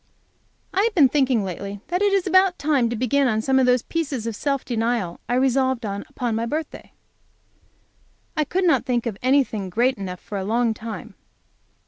I have been thinking lately that it was about time to begin on some of those pieces of self denial I resolved on upon my birthday. I could not think of anything great enough for a long time.